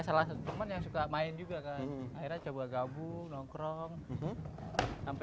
salah satu teman yang suka main juga kan akhirnya coba gabung nongkrong sampai